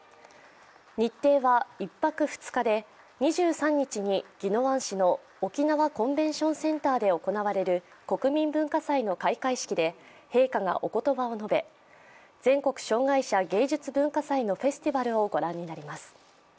日程は１泊２日で２３日に宜野湾市の沖縄コンベンションセンターで行われる国民文化祭の開会式で陛下がおことばを述べ、全国障害者芸術・文化祭のフェスティバルを御覧になります。